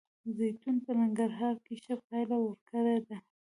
زیتون په ننګرهار کې ښه پایله ورکړې ده